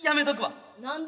何で？